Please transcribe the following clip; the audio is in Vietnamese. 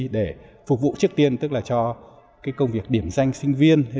để phục vụ trước tiên tức là cho công việc điểm danh sinh viên